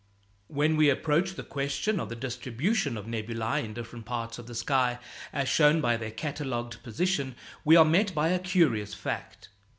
When we approach the question of the distribution of nebulæ in different parts of the sky, as shown by their catalogued positions, we are met by a curious fact.